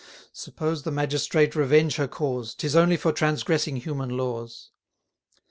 Suppose the magistrate revenge her cause, 'Tis only for transgressing human laws.